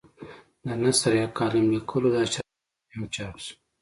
د نثر یا کالم لیکلو دا شرم له سپي هم چاپ شو.